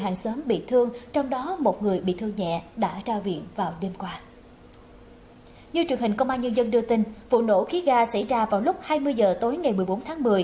như truyền hình công an nhân dân đưa tin vụ nổ khí ga xảy ra vào lúc hai mươi h tối ngày một mươi bốn tháng một mươi